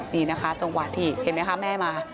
นี่นะคะจังหวะที่เห็นไหมคะแม่มา